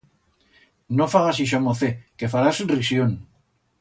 No fagas ixo, mocet, que farás risión.